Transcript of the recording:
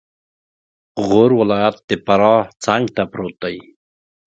غور ولایت د فراه څنګته پروت دی